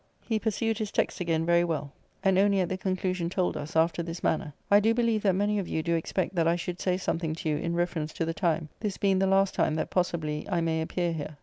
He pursued his text again very well; and only at the conclusion told us, after this manner: "I do believe that many of you do expect that I should say something to you in reference to the time, this being the last time that possibly I may appear here.